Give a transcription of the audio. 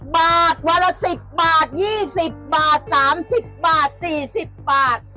บาทวันละ๑๐บาท๒๐บาท๓๐บาท๔๐บาท